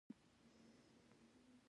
• د شپې بختور هغه څوک دی چې آرام لري.